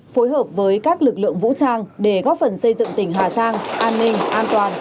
phối hợp với các lực lượng vũ trang để góp phần xây dựng tỉnh hà giang an ninh an toàn